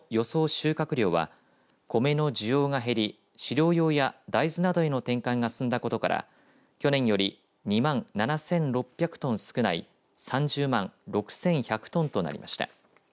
収穫量はコメの需要が減り飼料用や大豆などへの転換が進んだことから去年より２万７６００トン少ない３０万６１００トンとなりました。